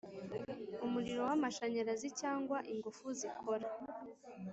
Umuriro w amashanyarazi cyangwa ingufu zikora